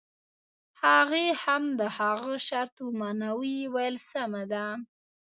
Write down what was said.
هغې هم د هغه شرط ومانه او ويې ويل سمه ده.